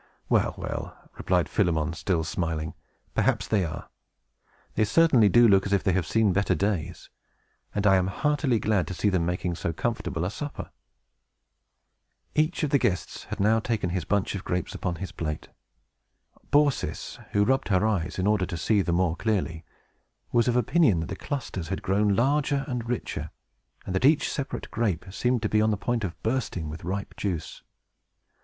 "Well, well," replied Philemon, still smiling, "perhaps they are. They certainly do look as if they had seen better days; and I am heartily glad to see them making so comfortable a supper." Each of the guests had now taken his bunch of grapes upon his plate. Baucis (who rubbed her eyes, in order to see the more clearly) was of opinion that the clusters had grown larger and richer, and that each separate grape seemed to be on the point of bursting with ripe juice.